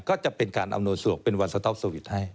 ก็จะเป็นการอำนวยสะดวกเป็นวันสต๊อปสวิตช์ให้